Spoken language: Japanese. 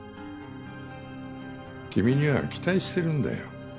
君には期待してるんだよ。